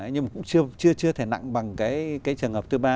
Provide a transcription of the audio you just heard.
nhưng mà cũng chưa thể nặng bằng cái trường hợp thứ ba